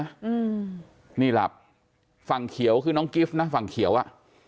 อืมนี่หลับฝั่งเขียวคือน้องกิฟต์นะฝั่งเขียวอ่ะ